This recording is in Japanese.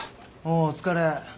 おおお疲れ。